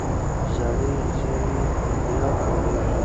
زړې زېرمې بیا کارېږي.